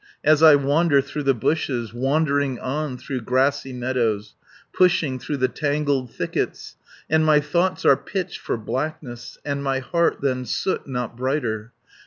As I wander through the bushes, Wandering on through grassy meadows, Pushing through the tangled thickets, And my thoughts are pitch for blackness And my heart than soot not brighter.